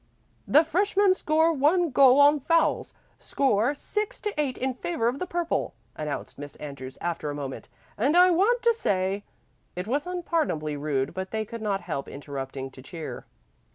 "The freshmen score one goal on fouls. Score, six to eight in favor of the purple," announced Miss Andrews after a moment. "And I want to say " It was unpardonably rude, but they could not help interrupting to cheer.